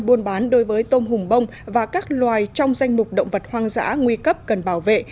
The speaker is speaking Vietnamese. buôn bán đối với tôm hùm bông và các loài trong danh mục động vật hoang dã nguy cấp cần bảo vệ